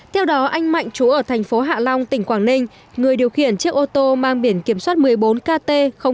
theo đó anh mạnh trú ở thành phố hạ long tỉnh quảng ninh người điều khiển chiếc ô tô mang biển kiểm soát một mươi bốn kt ba trăm một mươi tám